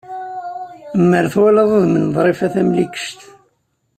Mer twalaḍ udem n Ḍrifa Tamlikect.